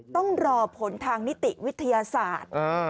ต้องรอผลทางนิติวิทยาศาสตร์